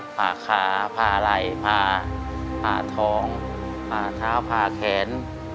ผ่าขาผ่าไหล่ผ่าทองผ่าเท้าผ่าแขน